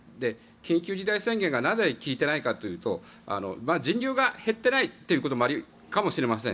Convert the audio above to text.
緊急事態宣言がなぜ効いていないかというと人流が減っていないということもあるかもしれません。